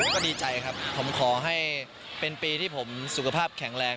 ก็ดีใจครับผมขอให้เป็นปีที่ผมสุขภาพแข็งแรง